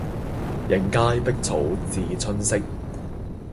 映階碧草自春色